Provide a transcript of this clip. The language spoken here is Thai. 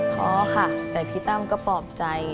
ท้อค่ะแต่พี่ตั้มก็ปลอบใจ